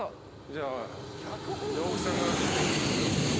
じゃあ大木さんがいいっすよ。